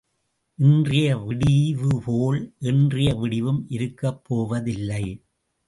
இன்றைய விடிவு போல் என்றைய விடிவும் இருக்கப் போவதில்லை.